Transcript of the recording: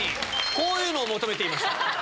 こういうのを求めていました。